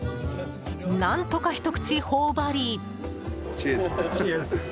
何とかひと口ほおばり。